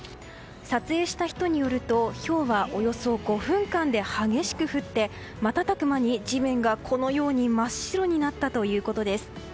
撮影した人によるとひょうはおよそ５分間で激しく降って、瞬く間に地面がこのように真っ白になったということです。